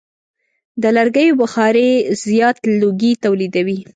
د لرګیو بخاري زیات لوګی تولیدوي.